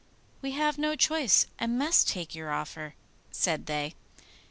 'We have no choice, and must take your offer,' said they.